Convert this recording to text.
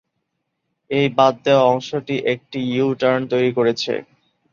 এই বাদ দেওয়া অংশটি একটি ইউ-টার্ন তৈরী করেছে।